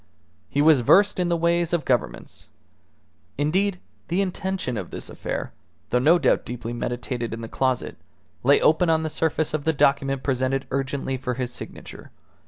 He was versed in the ways of Governments. Indeed, the intention of this affair, though no doubt deeply meditated in the closet, lay open on the surface of the document presented urgently for his signature.